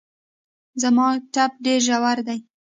زما ټپ ډېر ژور دی